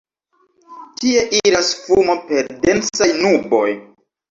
Tie iras fumo per densaj nuboj.